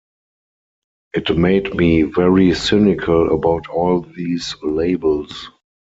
It made me very cynical about all these labels.